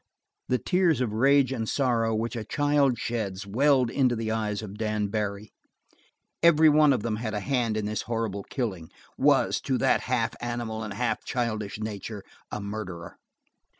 The tears of rage and sorrow which a child sheds welled into the eyes of Dan Barry. Every one of them had a hand in this horrible killing; was, to that half animal and half childish nature, a murderer.